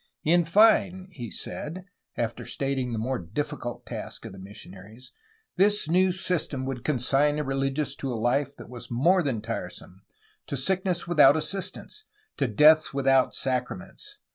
In fine," he said, after stating the difficult task of the missionaries, "this [new] system would consign a religious to a life that was more than tire some, to sickness without assistance, and death without sacra ments